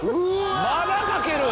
まだかける⁉